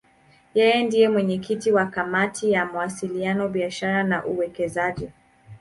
Yeye ndiye mwenyekiti wa Kamati ya Mawasiliano, Biashara na Uwekezaji.